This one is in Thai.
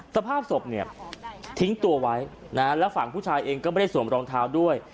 สภาพศพเนี่ยทิ้งตัวไว้แล้วฝั่งผู้ชายเองก็ไม่ได้สวมรองเท้าด้วย